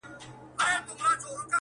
له ږيري ئې واخيست پر برېت ئې کښېښووی-